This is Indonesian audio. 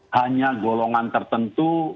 hanya golongan tertentu